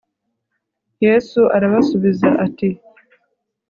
yesu arabasubiza ati